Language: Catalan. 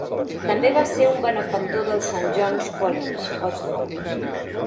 També va ser un benefactor del Saint John's College, Oxford.